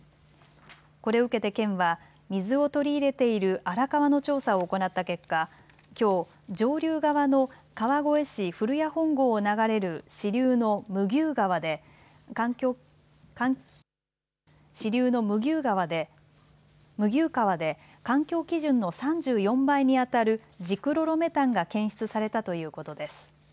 これを受けて県は水を取り入れている荒川の調査を行った結果、きょう上流側の川越市古谷本郷を流れる支流の麦生川で環境基準の３４倍にあたるジクロロメタンが検出されたということです。